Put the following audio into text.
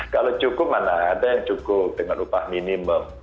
kalau cukup mana ada yang cukup dengan upah minimum